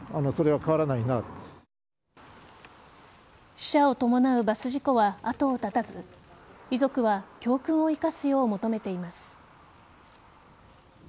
死者を伴うバス事故は後を絶たず遺族は教訓を生かすよう求めています。